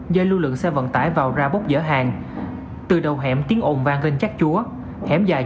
do lưu lượng xe vận tải vào ra bốc dở hàng từ đầu hẻm tiếng ồn vang lên chắc chúa hẻm dài